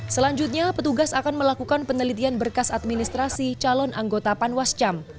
selanjutnya petugas akan melakukan penelitian berkas administrasi calon anggota panwascam